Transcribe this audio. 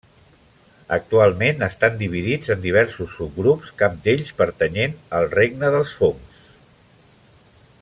Actualment estan dividits en diversos subgrups cap d'ells pertanyent al regne dels fongs.